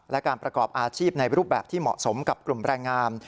และการประกอบอาชีพในรูปแบบที่เหมาะสมกับกลุ่มแรงงาม